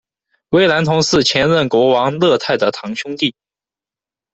威南童是前任国王乐泰的堂兄弟。